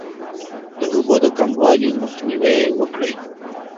د اوبو د کموالي مخنیوی وکړئ.